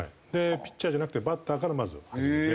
ピッチャーじゃなくてバッターからまずは始めて。